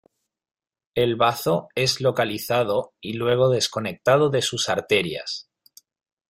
El bazo es localizado y luego desconectado de sus arterias.